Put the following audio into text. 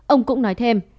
ông cũng nói thêm